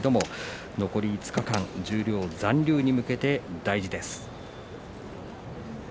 残り５日間、十両残留に向けて大事になります。